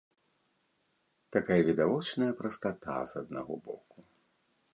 Такая відавочная прастата з аднаго боку.